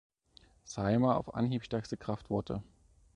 Saeima auf Anhieb stärkste Kraft wurde.